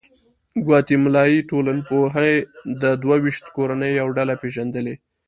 ګواتیمالایي ټولنپوهې د دوه ویشت کورنیو یوه ډله پېژندلې.